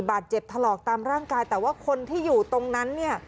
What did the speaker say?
บาดเจ็บตลอกตามร่างกายแต่ว่าคนที่อยู่ตรงนั้น